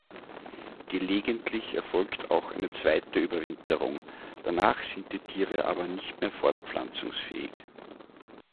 Gelegentlich erfolgt auch eine zweite Überwinterung, danach sind die Tiere aber nicht mehr fortpflanzungsfähig.